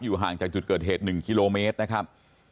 ห่างจากจุดเกิดเหตุ๑กิโลเมตรนะครับ